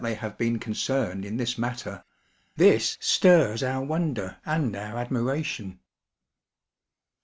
they have been concerned in this matter — this stirs our wonder and our admiration.